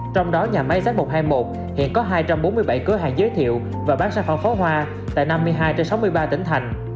trong đó nhà máy z một trăm hai mươi một hiện có hai trăm bốn mươi bảy cửa hàng giới thiệu và bán sản phẩm pháo hoa tại năm mươi hai trên sáu mươi ba tỉnh thành